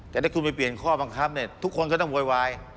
แต่ถ้าคุณไปเปลี่ยนข้อบังคับเนี่ยทุกคนก็ต้องโวยวาย